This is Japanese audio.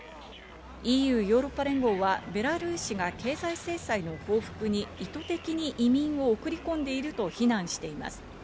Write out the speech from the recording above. ＥＵ＝ヨーロッパ連合はベラルーシが経済制裁の報復に意図的に移民を送り込んでいると非難しています。